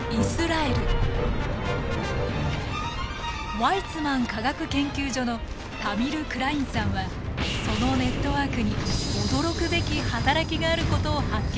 ワイツマン科学研究所のタミル・クラインさんはそのネットワークに驚くべき働きがあることを発見しました。